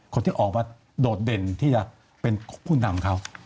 คนที่ออกมาโดดเด่นที่จะเป็นผู้นำเขา